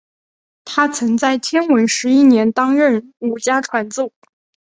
他曾在天文十一年担任武家传奏。